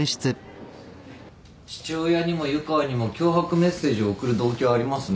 父親にも湯川にも脅迫メッセージを送る動機はありますね。